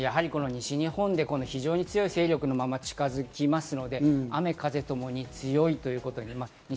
西日本で非常に強い勢力のまま近づきますので、雨・風ともに強いということになります。